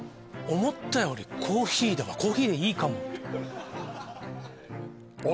思ったよりコーヒーだわコーヒーでいいかもってあ